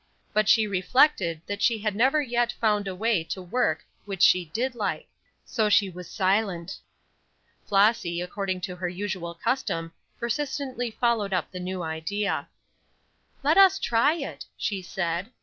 But she reflected that she had never yet found a way to work which she did like; so she was silent. Flossy, according to her usual custom, persistently followed up the new idea. "Let us try it," she said.